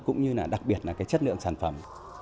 cũng như đặc biệt là chất lượng sản phẩm